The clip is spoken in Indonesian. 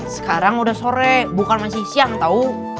sekarang udah sore bukan masih siang tau